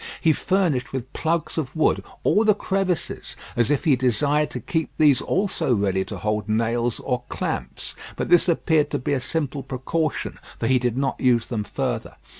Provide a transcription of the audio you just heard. He furnished with plugs of wood all the crevices, as if he desired to keep these also ready to hold nails or clamps; but this appeared to be a simple precaution, for he did not use them further.